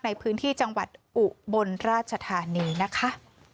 ในพื้นที่จังหวัดอุบลราชธานีนะคะ